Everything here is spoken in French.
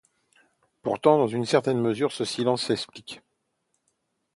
Pourtant dans une certaine mesure ce silence s’explique.